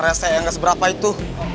eh eh eh kenapa tuh